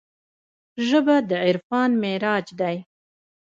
ژبه د عرفان معراج دی